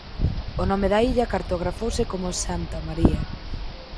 O nome da illa cartografouse como "Santa María".